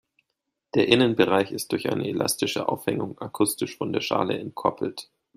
Der Innenbereich ist durch eine elastische Aufhängung akustisch von der Schale entkoppelt.